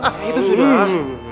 ah itu sudah